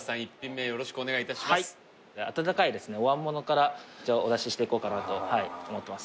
はい温かいですねお椀ものからお出ししていこうかなと思ってます